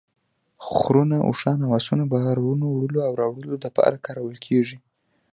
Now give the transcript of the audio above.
خرونه ، اوښان او اسونه بارونو وړلو او راوړلو دپاره کارول کیږي